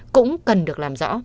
cũng cần được làm rõ